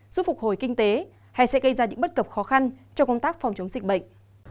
giúp phục hồi kinh tế hay sẽ gây ra những bất cập khó khăn cho công tác phòng chống dịch bệnh